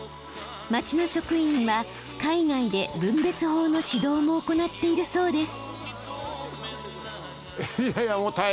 町の職員は海外で分別法の指導も行っているそうです。